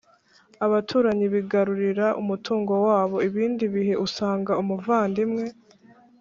abaturanyi bigarurira umutungo wabo. ibindi bihe usanga umuvandimwe